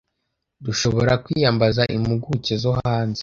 dushobora kwiyambaza impuguke zo hanze